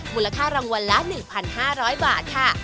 มูลค่ารางวัลละ๑๕๐๐บาทค่ะ